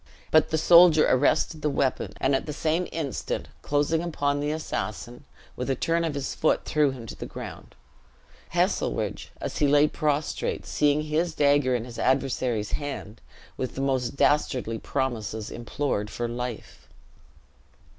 But the soldier arrested the weapon, and at the same instant closing upon the assassin, with a turn of his foot threw him to the ground. Heselrigge, as he lay prostrate, seeing his dagger in his adversary's hand, with the most dastardly promises implored for life.